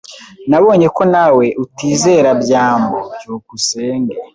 Nabonye ko nawe utizera byambo. byukusenge